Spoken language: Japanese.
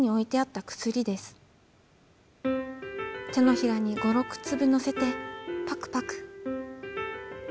手のひらに５６粒のせてパクパク！」。